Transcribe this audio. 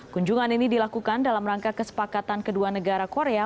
kunjungan ini dilakukan dalam rangka kesepakatan kedua negara korea